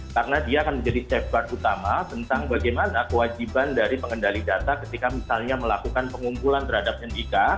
karena dia akan menjadi safeguard utama tentang bagaimana kewajiban dari pengendali data ketika misalnya melakukan pengumpulan terhadap nyendika